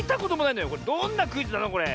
これどんなクイズなのこれ？